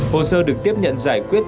hồ sơ được tiếp nhận giải quyết